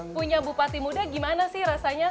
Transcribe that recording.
punya bupati muda gimana sih rasanya